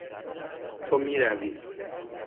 تو میروی